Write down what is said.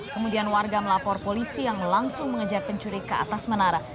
kemudian warga melapor polisi yang langsung mengejar pencuri ke atas menara